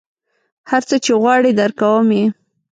هر څه چې غواړې درکوم یې.